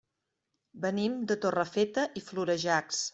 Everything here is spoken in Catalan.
Venim de Torrefeta i Florejacs.